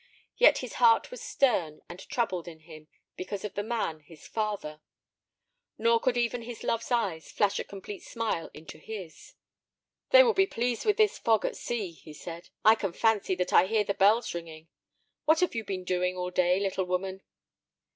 Yet his heart was stern and troubled in him because of the man, his father; nor could even his love's eyes flash a complete smile into his. "They will be pleased with this fog at sea," he said. "I can fancy that I hear the bells ringing. What have you been doing all day, little woman?"